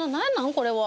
これは。